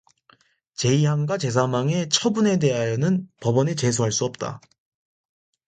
제이항과 제삼항의 처분에 대하여는 법원에 제소할 수 없다.